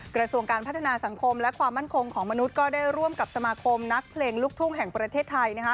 กระทรวงการพัฒนาสังคมและความมั่นคงของมนุษย์ก็ได้ร่วมกับสมาคมนักเพลงลูกทุ่งแห่งประเทศไทย